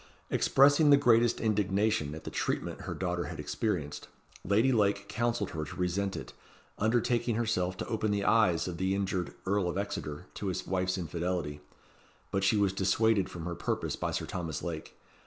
Expressing the greatest indignation at the treatment her daughter had experienced, Lady Lake counselled her to resent it, undertaking herself to open the eyes of the injured Earl of Exeter to his wife's infidelity; but she was dissuaded from her purpose by Sir Thomas Lake.